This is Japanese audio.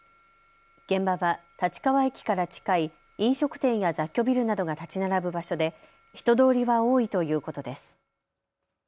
現場は立川駅から近い飲食店や雑居ビルなどが建ち並ぶ場所で人通りは多いということです。